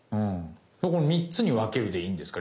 この３つに分けるでいいんですか？